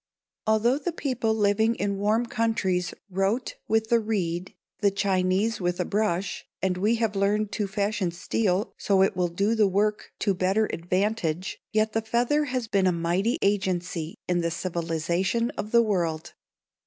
Although the people living in warm countries wrote with the reed, the Chinese with a brush, and we have learned to fashion steel so it will do the work to better advantage, yet the feather has been a mighty agency in the civilization of the world.